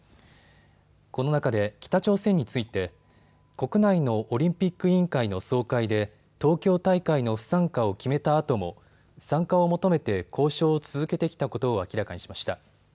この中で北朝鮮について国内のオリンピック委員会の総会で東京大会の不参加を決めたあとも参加を求めて交渉を続けてきたことを明らかにしました。